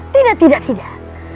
tidak tidak tidak